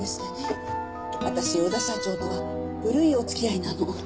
私小田社長とは古いお付き合いなの。